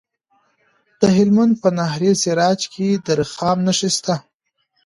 د هلمند په ناهري سراج کې د رخام نښې شته.